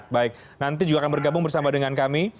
baik nanti juga akan bergabung bersama dengan kami